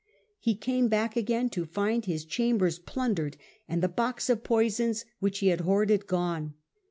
He came back again to find his chambers plundered, and the box of poisons which he had hoarded gone.